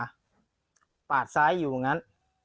เขาปากซ้ายอยู่งั้น